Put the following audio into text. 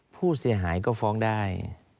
ผู้เสียหายก็ฟ้องได้